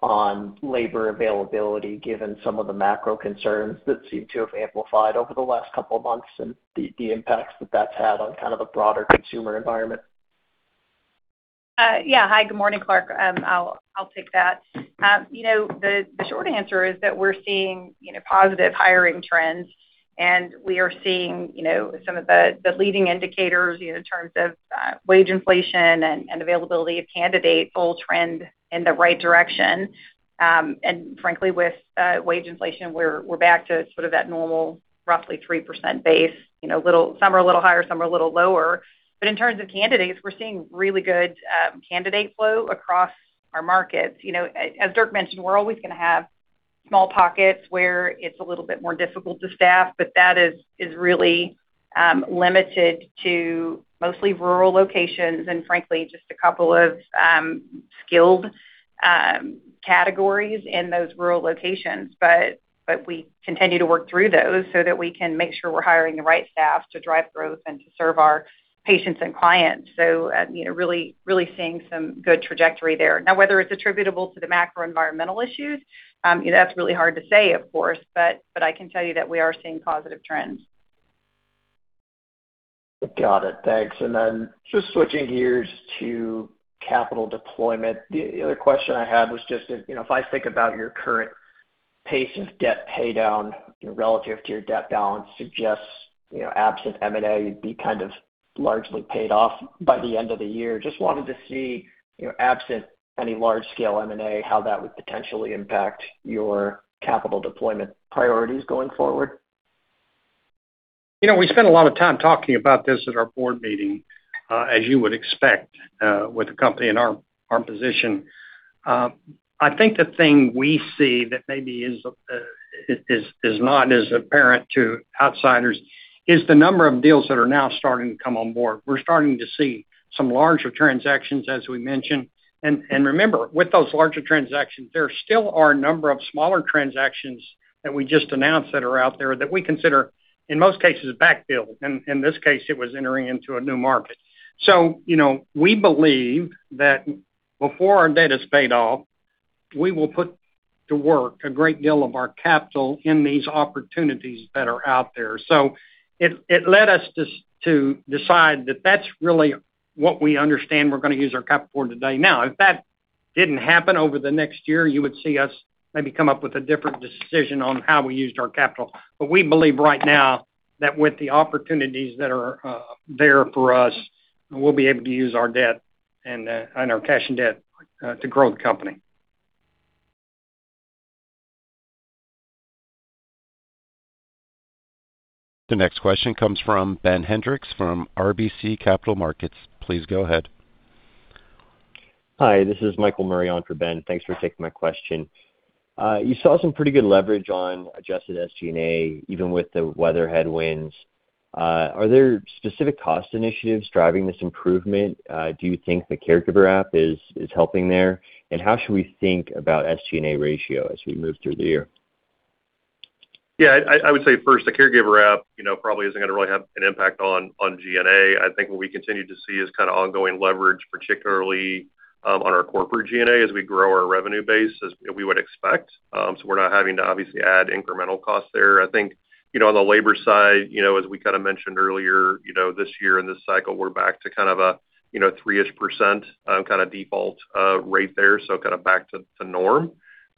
on labor availability, given some of the macro concerns that seem to have amplified over the last couple of months and the impacts that that's had on kind of the broader consumer environment. Yeah. Hi, good morning, Clarke. I'll take that. You know, the short answer is that we're seeing, you know, positive hiring trends, and we are seeing, you know, some of the leading indicators in terms of wage inflation and availability of candidate all trend in the right direction. Frankly, with wage inflation, we're back to sort of that normal, roughly 3% base, you know, some are a little higher, some are a little lower. In terms of candidates, we're seeing really good candidate flow across our markets. You know, as Dirk mentioned, we're always gonna have small pockets where it's a little bit more difficult to staff, but that is really limited to mostly rural locations and frankly, just a couple of skilled categories in those rural locations. We continue to work through those so that we can make sure we're hiring the right staff to drive growth and to serve our patients and clients. You know, really seeing some good trajectory there. Now, whether it's attributable to the macro environmental issues, you know, that's really hard to say, of course, but I can tell you that we are seeing positive trends. Got it. Thanks. Just switching gears to capital deployment. The other question I had was just, you know, if I think about your current pace of debt paydown relative to your debt balance suggests, you know, absent M&A, you'd be kind of largely paid off by the end of the year. Just wanted to see, you know, absent any large scale M&A, how that would potentially impact your capital deployment priorities going forward. You know, we spent a lot of time talking about this at our board meeting, as you would expect, with the company in our position. I think the thing we see that maybe is not as apparent to outsiders is the number of deals that are now starting to come on board. We're starting to see some larger transactions, as we mentioned. And remember, with those larger transactions, there still are a number of smaller transactions that we just announced that are out there that we consider, in most cases, backfill. In this case, it was entering into a new market. You know, we believe that before our debt is paid off, we will put to work a great deal of our capital in these opportunities that are out there. It led us to decide that that's really what we understand we're gonna use our capital for today. If that didn't happen over the next year, you would see us maybe come up with a different decision on how we used our capital. We believe right now that with the opportunities that are there for us, we'll be able to use our debt and and our cash and debt to grow the company. The next question comes from Ben Hendrix from RBC Capital Markets. Please go ahead. Hi, this is Michael Murray on for Ben. Thanks for taking my question. You saw some pretty good leverage on adjusted SG&A, even with the weather headwinds. Are there specific cost initiatives driving this improvement? Do you think the Caregiver app is helping there? How should we think about SG&A ratio as we move through the year? I would say first, the Caregiver app, you know, probably isn't gonna really have an impact on G&A. I think what we continue to see is kinda ongoing leverage, particularly on our corporate G&A as we grow our revenue base, as we would expect. We're not having to obviously add incremental costs there. I think, you know, on the labor side, you know, as we kinda mentioned earlier, you know, this year and this cycle, we're back to kind of a, you know, 3-ish percent, kinda default rate there, kinda back to norm.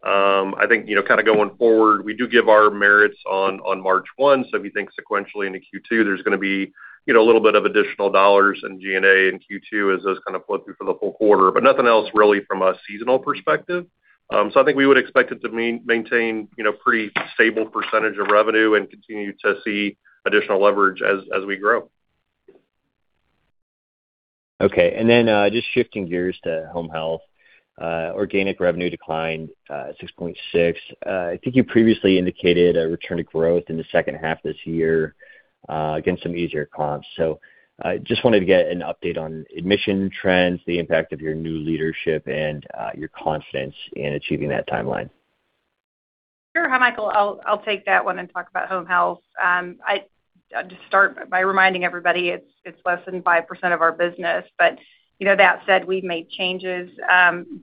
I think, you know, kinda going forward, we do give our merits on March 1, if you think sequentially into Q2, there's gonna be, you know, a little bit of additional dollars in G&A in Q2 as those kind of flow through for the full quarter, but nothing else really from a seasonal perspective. I think we would expect it to maintain, you know, pretty stable percent of revenue and continue to see additional leverage as we grow. Okay. Then, just shifting gears to Home Health. Organic revenue declined, 6.6%. I think you previously indicated a return to growth in the second half this year, against some easier comps. Just wanted to get an update on admission trends, the impact of your new leadership, and, your confidence in achieving that timeline. Sure. Hi, Michael. I'll take that one and talk about Home Health. I just start by reminding everybody it's less than 5% of our business. You know, that said, we've made changes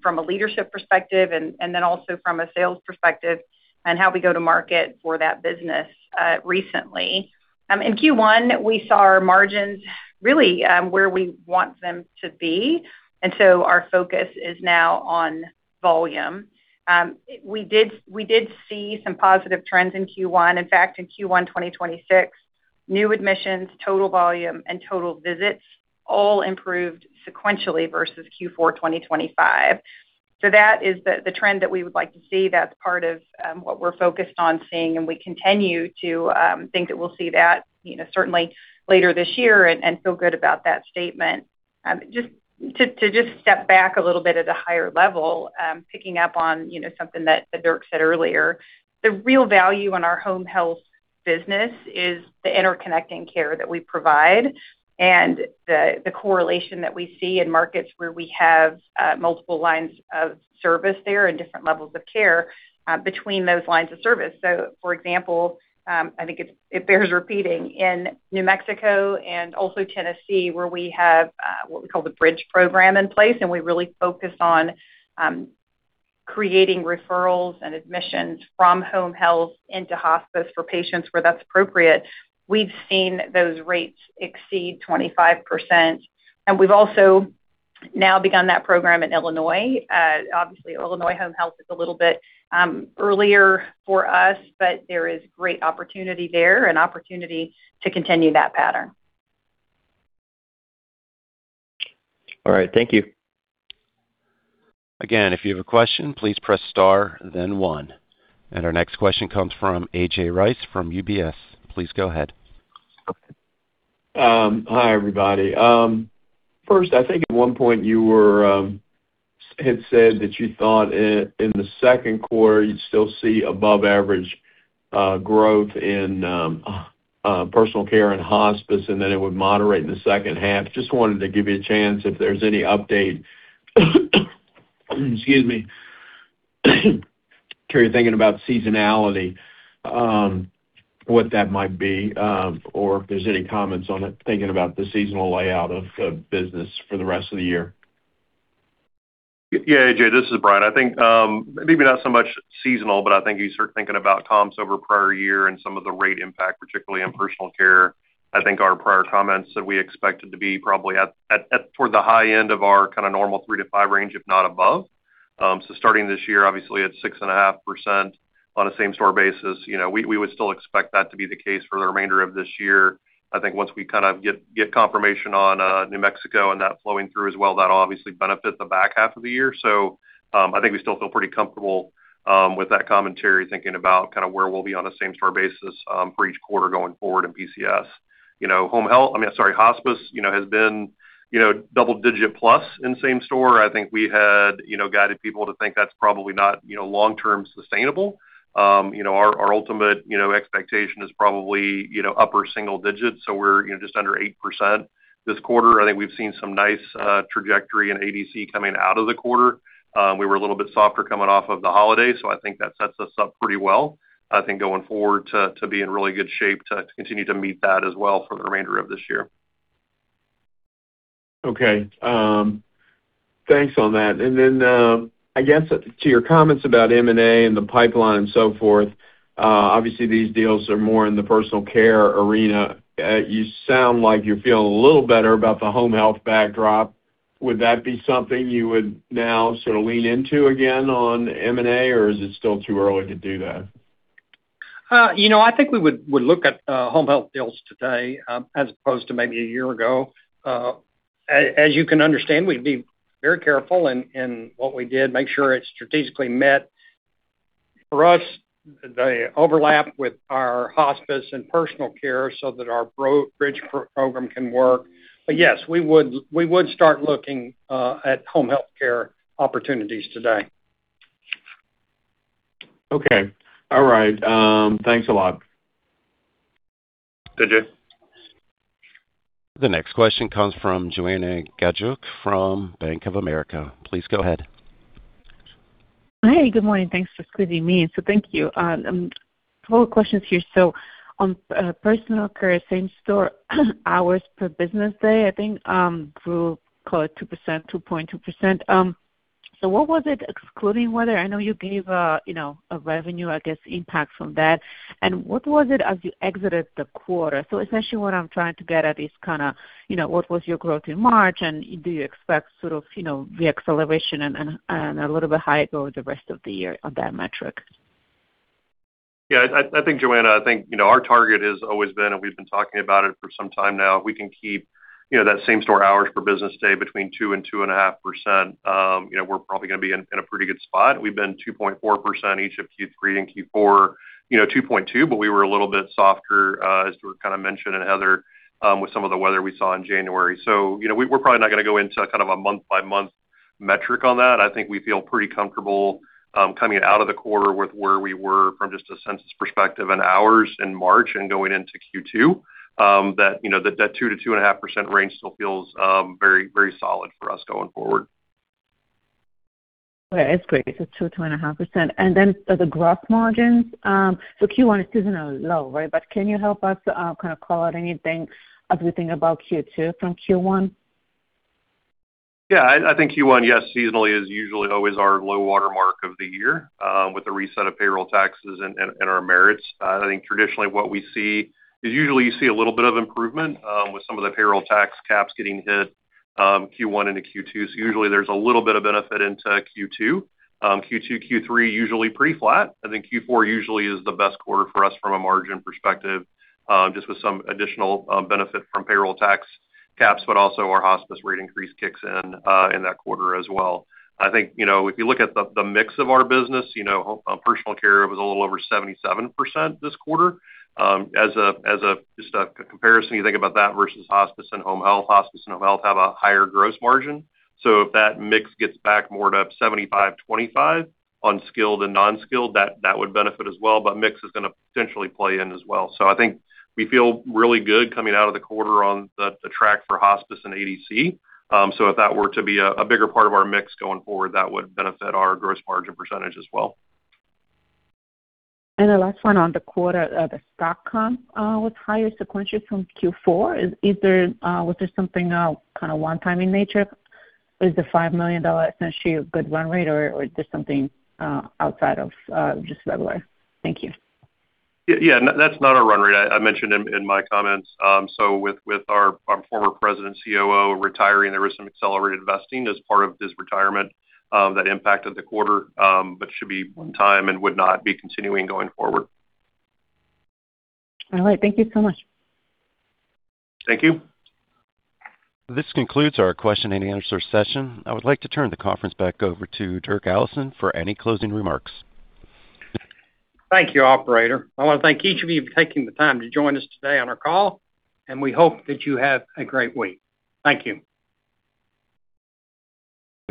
from a leadership perspective and then also from a sales perspective on how we go to market for that business recently. In Q1, we saw our margins really where we want them to be, our focus is now on volume. We did see some positive trends in Q1. In fact, in Q1 2026, new admissions, total volume, and total visits all improved sequentially versus Q4 2025. That is the trend that we would like to see. That's part of what we're focused on seeing, and we continue to think that we'll see that certainly later this year and feel good about that statement. Just to step back a little bit at a higher level, picking up on something that Dirk said earlier, the real value in our home health business is the interconnecting care that we provide and the correlation that we see in markets where we have multiple lines of service there and different levels of care between those lines of service. For example, I think it bears repeating, in New Mexico and also Tennessee, where we have what we call the Bridge Program in place, and we really focus on creating referrals and admissions from Home Health into hospice for patients where that's appropriate. We've seen those rates exceed 25%. We've also now begun that program in Illinois. Obviously Addus Home Health is a little bit earlier for us, but there is great opportunity there and opportunity to continue that pattern. All right. Thank you. Again, if you have a question, please press star then one. Our next question comes from A.J. Rice from UBS. Please go ahead. Hi, everybody. First, I think at one point you had said that you thought in the second quarter you'd still see above average growth in personal care and hospice, and then it would moderate in the second half. Just wanted to give you a chance if there's any update, excuse me, to your thinking about seasonality, what that might be, or if there's any comments on it, thinking about the seasonal layout of business for the rest of the year. A.J., this is Brian. I think maybe not so much seasonal, but I think you start thinking about comps over prior year and some of the rate impact, particularly in personal care. I think our prior comments that we expected to be probably at the high end of our kind of normal three to five range, if not above. Starting this year, obviously at 6.5% on a same-store basis. You know, we would still expect that to be the case for the remainder of this year. I think once we kind of get confirmation on New Mexico and that flowing through as well, that obviously benefit the back half of the year. I think we still feel pretty comfortable with that commentary, thinking about kind of where we'll be on a same-store basis for each quarter going forward in PCS. You know, I mean, sorry, hospice, you know, has been, you know, double-digit plus in same-store. I think we had, you know, guided people to think that's probably not, you know, long-term sustainable. You know, our ultimate, you know, expectation is probably, you know, upper single digits. We're, you know, just under 8% this quarter. I think we've seen some nice trajectory in ADC coming out of the quarter. We were a little bit softer coming off of the holiday, so I think that sets us up pretty well, I think going forward to be in really good shape to continue to meet that as well for the remainder of this year. Okay. Thanks on that. I guess to your comments about M&A and the pipeline and so forth, obviously these deals are more in the personal care arena. You sound like you're feeling a little better about the home health backdrop. Would that be something you would now sort of lean into again on M&A, or is it still too early to do that? You know, I think we would look at home health deals today as opposed to maybe a year ago. As you can understand, we'd be very careful in what we did, make sure it strategically met. For us, they overlap with our hospice and personal care so that our Bridge Program can work. Yes, we would start looking at home health care opportunities today. Okay. All right. Thanks a lot. Thank you. The next question comes from Joanna Gajuk from Bank of America. Please go ahead. Hey, good morning. Thanks for squeezing me in. Thank you. A couple of questions here. On personal care, same store hours per business day, I think, grew call it 2%, 2.2%. What was it excluding weather? I know you gave, you know, a revenue, I guess, impact from that. What was it as you exited the quarter? Essentially what I'm trying to get at is kinda, you know, what was your growth in March? Do you expect sort of, you know, re-acceleration and a little bit higher growth the rest of the year on that metric? I think, Joanna Gajuk, I think, you know, our target has always been, and we've been talking about it for some time now, if we can keep, you know, that same store hours per business day between 2% and 2.5%, you know, we're probably going to be in a pretty good spot. We've been 2.4% each of Q3 and Q4, you know, 2.2%, but we were a little bit softer, as we kind of mentioned and Heather Dixon, with some of the weather we saw in January. You know, we're probably not going to go into kind of a month-by-month metric on that. I think we feel pretty comfortable, coming out of the quarter with where we were from just a census perspective and hours in March and going into Q2. That, you know, that 2%-2.5% range still feels very, very solid for us going forward. Okay. That's great. 2.5%. The gross margins, Q1 is seasonally low, right? Can you help us kind of call out anything about Q2 from Q1? Yeah, I think Q1, yes, seasonally is usually always our low water mark of the year, with the reset of payroll taxes and our merits. I think traditionally what we see is usually you see a little bit of improvement, with some of the payroll tax caps getting hit, Q1 into Q2. Usually there's a little bit of benefit into Q2. Q2, Q3, usually pretty flat. I think Q4 usually is the best quarter for us from a margin perspective, just with some additional benefit from payroll tax caps, but also our hospice rate increase kicks in in that quarter as well. I think, you know, if you look at the mix of our business, you know, personal care was a little over 77% this quarter. As a just a comparison, you think about that versus hospice and Home health. Hospice and home health have a higher gross margin. If that mix gets back more to 75/25 on skilled and non-skilled, that would benefit as well, but mix is gonna potentially play in as well. I think we feel really good coming out of the quarter on the track for hospice and ADC. If that were to be a bigger part of our mix going forward, that would benefit our gross margin percentage as well. The last one on the quarter, the stock comp was higher sequentially from Q4. Was there something kind of one-time in nature? Is the $5 million essentially a good run rate, or just something outside of just regular? Thank you. Yeah, that's not a run rate. I mentioned in my comments. With our former president, COO retiring, there was some accelerated vesting as part of his retirement that impacted the quarter. Should be one time and would not be continuing going forward. All right. Thank you so much. Thank you. This concludes our question and answer session. I would like to turn the conference back over to Dirk Allison for any closing remarks. Thank you, operator. I want to thank each of you for taking the time to join us today on our call, and we hope that you have a great week. Thank you.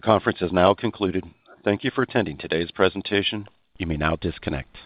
The conference has now concluded. Thank you for attending today's presentation. You may now disconnect.